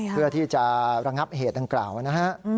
เพื่อที่จะระงับเหตุดังกล่าวนะฮะ